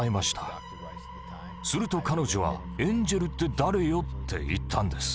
すると彼女は「エンジェルって誰よ？」って言ったんです。